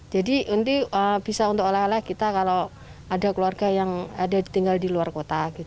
jadi ini bisa untuk oleh oleh kita kalau ada keluarga yang tinggal di luar kota